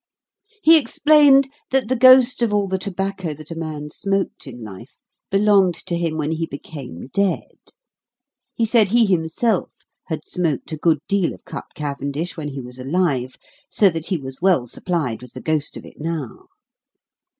He explained that the ghost of all the tobacco that a man smoked in life belonged to him when he became dead. He said he himself had smoked a good deal of cut cavendish when he was alive, so that he was well supplied with the ghost of it now.